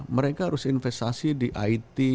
mereka harus investasi di it